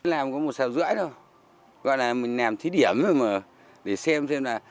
làm có một sào rưỡi thôi gọi là mình làm thí điểm thôi mà để xem xem là